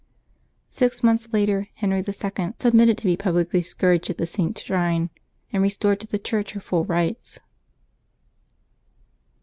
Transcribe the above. Six months later Henry II. submitted to be publicly scourged at the Saint's shrine, and restored to the Church her full rights.